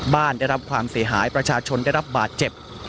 ได้รับความเสียหายประชาชนได้รับบาดเจ็บ